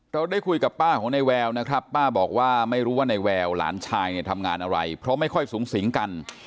เราได้คุยกับป้าของในแววนะครับป้าบอกว่าไม่รู้ว่าในแววหลานชายเนี่ยทำงานอะไรเพราะไม่ค่อยสูงสิงกัน